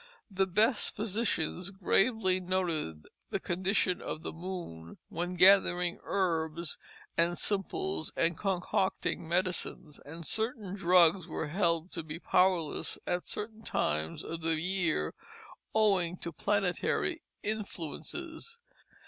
The best physicians gravely noted the condition of the moon when gathering herbs and simples and concocting medicines; and certain drugs were held to be powerless at certain times of the year, owing to planetary influences.